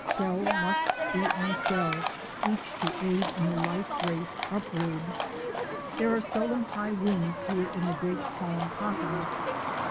Cell must be on cell, each to aid in the life race upward. There are seldom high winds here in this great calm hot house.